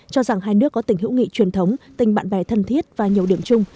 cho rằng hai nước có tình hữu nghị truyền thống tình bạn bè thân thiết và nhiều điểm chung